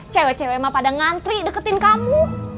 cewek cewek mah pada ngantri deketin kamu